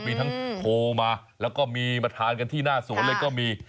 มีทั้งโทรมาแล้วก็มีมาทานกันที่หน้าสวนเลยก็มี